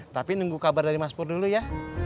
tapi nunggu kabar dari mas pur dulu ya